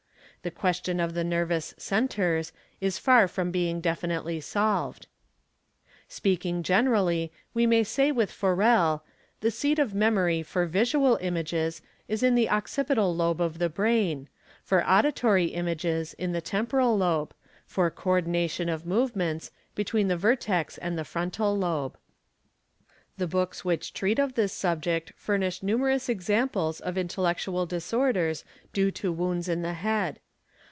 The question of the nervous "centres" is far from being ~ definitely solved. :| Speaking generally we may say with Forel®®; The seat of memory for visual images is in the occipital lobe of the brain, for auditory images in the temporal lobe, for co ordination of movements between the vertex and the frontal lobe. The books which treat of this subject furnish numerous examples of intellectual disorders due to wounds in the head.